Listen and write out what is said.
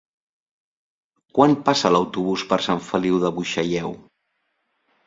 Quan passa l'autobús per Sant Feliu de Buixalleu?